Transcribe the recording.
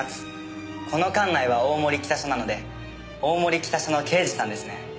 この管内は大森北署なので大森北署の刑事さんですね？